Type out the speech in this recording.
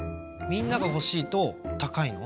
みんながほしいとたかいの？